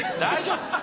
大丈夫。